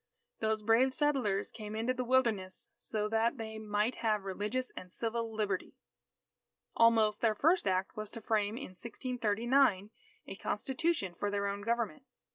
Those brave settlers came into the Wilderness so that they might have religious and civil Liberty. Almost, their first act was to frame in 1639, a Constitution for their own government.